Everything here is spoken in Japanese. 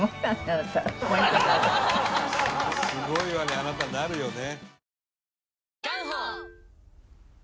「すごいわねあなた」になるよね。